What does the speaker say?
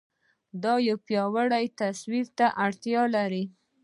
دا يو پياوړي تصور ته اړتيا لري.